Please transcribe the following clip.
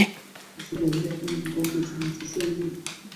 আশা কহিল, তিনি এখন পড়িতেছেন, নীচেই শুইবেন।